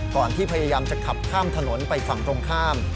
ก่อนที่พยายามจะขับข้ามถนนไปฝั่งตรงข้าม